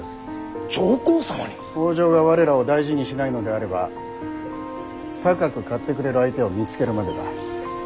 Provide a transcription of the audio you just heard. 北条が我らを大事にしないのであれば高く買ってくれる相手を見つけるまでだ。